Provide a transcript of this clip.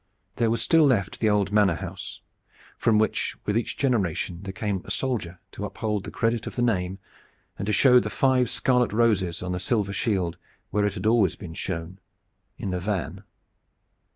There was still left the old manor house from which with each generation there came a soldier to uphold the credit of the name and to show the five scarlet roses on the silver shield where it had always been shown in the van.